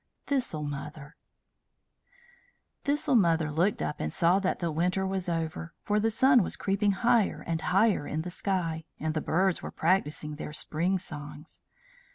THISTLE MOTHER Thistle mother looked up and saw that the winter was over, for the sun was creeping higher and higher in the sky, and the birds were practising their spring songs.